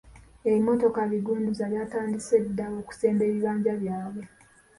Ebimotoka bigunduuza byatandise dda okusenda ebibanja byabwe.